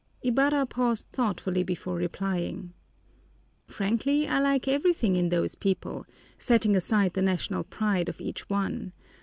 Ibarra paused thoughtfully before replying. "Frankly, I like everything in those people, setting aside the national pride of each one.